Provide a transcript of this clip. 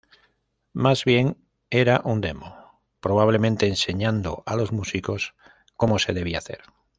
Más bien era un demo, probablemente enseñando a los músicos cómo se debía hacer.